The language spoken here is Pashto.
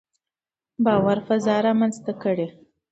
باور فضا رامنځته کړئ.